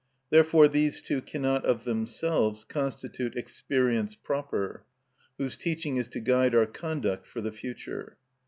Therefore these two cannot of themselves constitute experience proper, whose teaching is to guide our conduct for the future.